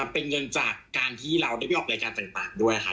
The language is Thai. เป็นเงินจากการที่เราได้ไปออกรายการต่างด้วยครับ